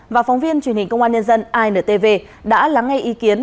và phóng viên truyền hình công an nhân dân intv đã lắng ngay ý kiến